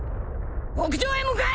屋上へ向かえ！